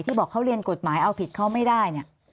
บอกเขาเรียนกฎหมายเอาผิดเขาไม่ได้เนี่ย